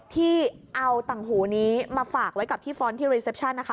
ที่เอาตังหูนี้มาฝากไว้กับที่ฟ้อนต์ที่รีเซปชั่นนะคะ